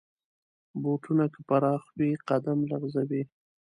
بوټونه که پراخ وي، قدم لغزوي.